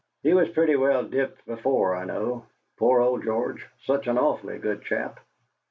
"He was pretty well dipped before, I know. Poor old George! such an awfully good chap!"